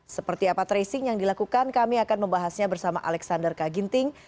seperti apa tracing yang dilakukan kami akan membahasnya bersama alexander kaginting